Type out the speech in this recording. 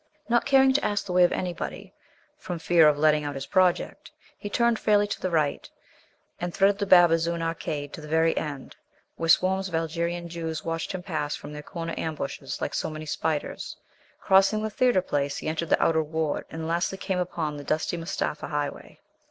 Not caring to ask the way of anybody, from fear of letting out his project, he turned fairly to the right, and threaded the Bab Azoon arcade to the very end, where swarms of Algerian Jews watched him pass from their corner ambushes like so many spiders; crossing the Theatre place, he entered the outer ward, and lastly came upon the dusty Mustapha highway.